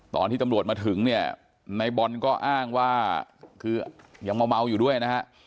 ตอนที่ตำรวจมาถึงเนี่ยในบอลก็อ้างว่าคือยังเมาอยู่ด้วยนะฮะ